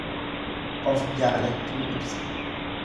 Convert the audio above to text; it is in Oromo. Of jaalachuu ibsa.